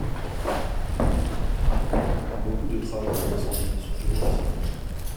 Beaucoup de traces de l'incendie sont toujours visibles.